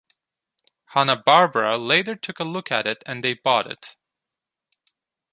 Hanna-Barbera later took a look at it and they bought it.